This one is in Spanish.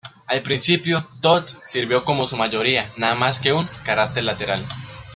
Al principio, Todd sirvió como su mayoría nada más que un carácter lateral.